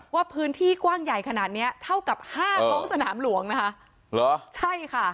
ว่าพื้นที่กว้างใหญ่ขนาดนี้เท่ากับห้าของสนามหลวงนะคะ